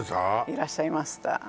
いらっしゃいました